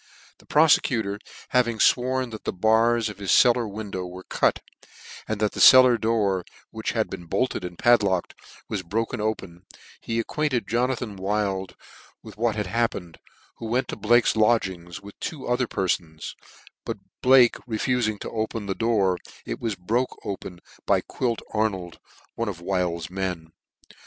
The profecutor having fworn that the bars of his cel lar wii^ow were cut, aqd that the cellar door, which had been bolted and padlocked, was broke open, he acquainted Jonathan Wild with what had happened, who went to Blake's lodgings, with two other perfons , but Bhke refuting to open the door, it was broke open by Quilt Ar nold, one of Wild's men.